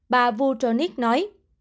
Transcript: bà vujnovic nói